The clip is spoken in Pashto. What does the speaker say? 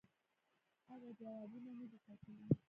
اگه جوابونه ندي کتلي.